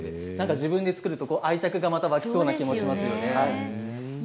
自分で作ると愛着がまた湧きそうな気がしますよね。